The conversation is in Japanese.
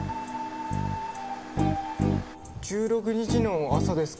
１６日の朝ですか？